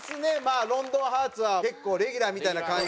『ロンドンハーツ』は結構レギュラーみたいな感じで。